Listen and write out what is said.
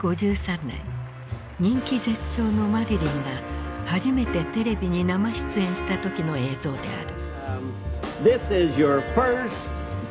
人気絶頂のマリリンが初めてテレビに生出演した時の映像である。